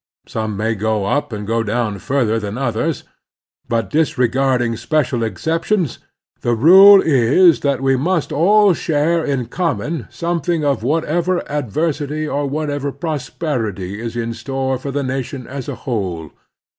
Some may go up or go down further than others, but, disregarding special exceptions, the rule is that we must all share in common some thing of whatever adversity or whatever prosperity is in store for the nation as a whole.